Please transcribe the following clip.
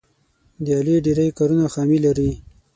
د علي ډېری کارونه خامي لري.